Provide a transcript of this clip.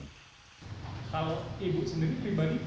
kalau ibu sendiri pribadi